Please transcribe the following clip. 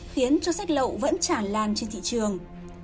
khiến cho sách lậu vẫn chản lan trên thị trường